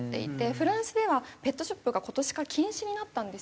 フランスではペットショップが今年から禁止になったんですよ。